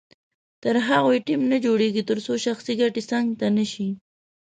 تر هغو ټیم نه جوړیږي تر څو شخصي ګټې څنګ ته نه شي.